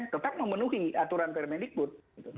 tetap memenuhi aturan permanent good